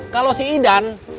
kalau si idan